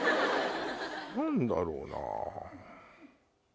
何だろうな？